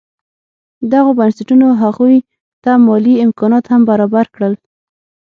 دغو بنسټونو هغوی ته مالي امکانات هم برابر کړل.